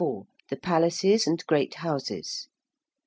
THE PALACES AND GREAT HOUSES.